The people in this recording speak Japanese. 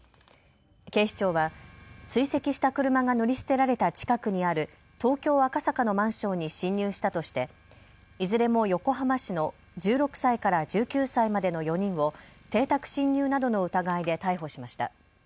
警視庁は追跡した車が乗り捨てられた近くにある東京赤坂のマンションに侵入したとして、いずれも横浜市の１６歳から１９歳までの４人を邸宅侵入などの疑いで逮捕しました。